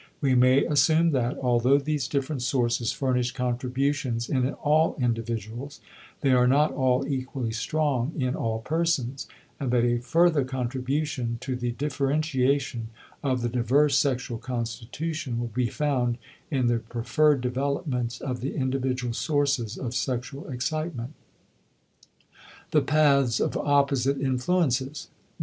We may assume that, although these different sources furnish contributions in all individuals, they are not all equally strong in all persons; and that a further contribution to the differentiation of the diverse sexual constitution will be found in the preferred developments of the individual sources of sexual excitement. *The Paths of Opposite Influences.